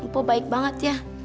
po baik banget ya